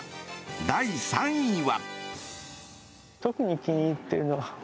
第３位は。